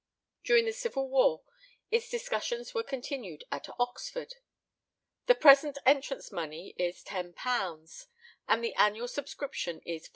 During the Civil War its discussions were continued at Oxford. The present entrance money is £10, and the annual subscription is £4.